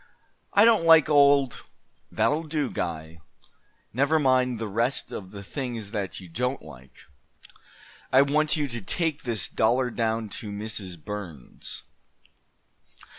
"I don't like old " "That'll do, Guy. Never mind the rest of the things that you don't like. I want you to take this dollar down to Mrs. Burns.